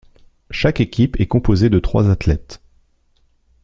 Chaque équipe est composée de trois athlètes.